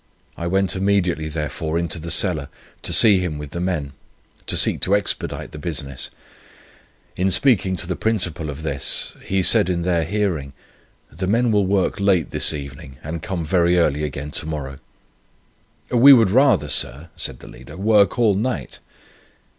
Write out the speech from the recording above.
I went immediately, therefore, into the cellar, to see him with the men, to seek to expedite the business. In speaking to the principal of this, he said in their hearing, 'the men will work late this evening, and come very early again to morrow.' "'We would rather, Sir,' said the leader, 'work all night.'